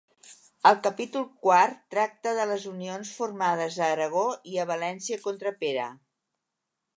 El capítol quart tracta de les Unions formades a Aragó i a València contra Pere.